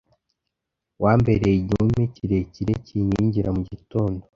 wambereye igihome kirekire kinkingira mu gitondo